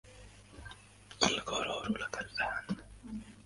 القرار لك الآن.